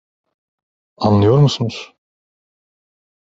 Anlıyor musunuz?